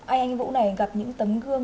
anh anh vũ này gặp những tấm gương